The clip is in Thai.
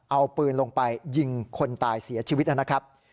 เอาปืนลงไปยิงคนตายเสียชีวิตนะครับ